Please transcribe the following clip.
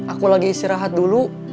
aku lagi istirahat dulu